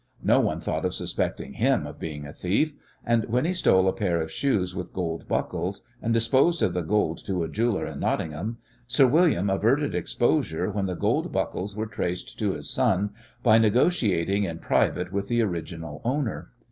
No one thought of suspecting him of being a thief, and when he stole a pair of shoes with gold buckles, and disposed of the gold to a jeweller in Nottingham, Sir William averted exposure when the gold buckles were traced to his son by negotiating in private with the original owner.